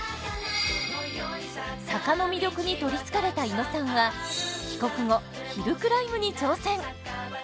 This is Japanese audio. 坂の魅力に取りつかれた猪野さんは帰国後ヒルクライムに挑戦。